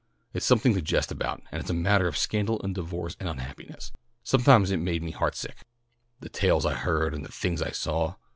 It's something to jest about, and it's a mattah of scandal and divorce and unhappiness. Sometimes it made me heart sick, the tales I heard and the things I saw.